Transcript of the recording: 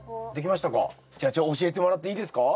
じゃあ教えてもらっていいですか？